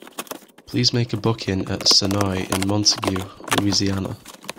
Please make a booking at Sonoy in Montague, Louisiana.